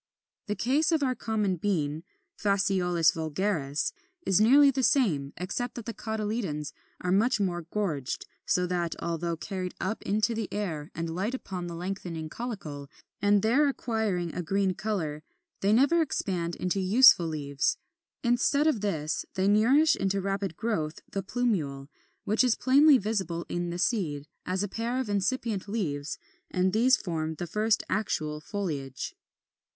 The case of our common Bean (Phaseolus vulgaris, Fig. 28 30) is nearly the same, except that the cotyledons are much more gorged; so that, although carried up into the air and light upon the lengthening caulicle, and there acquiring a green color, they never expand into useful leaves. Instead of this, they nourish into rapid growth the plumule, which is plainly visible in the seed, as a pair of incipient leaves; and these form the first actual foliage.